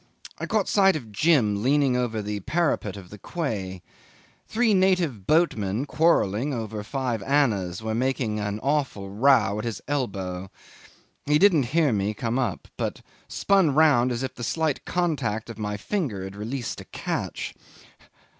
I caught sight of Jim leaning over the parapet of the quay. Three native boatmen quarrelling over five annas were making an awful row at his elbow. He didn't hear me come up, but spun round as if the slight contact of my finger had released a catch.